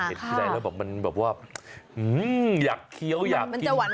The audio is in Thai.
เห็นทีใดแล้วมันแบบว่าอยากเคี้ยวอยากกิน